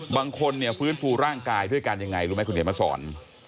บางคนเนี่ยฟื้นฟูร่างกายด้วยการยังไงรู้ไหมคุณเขียนมาสอน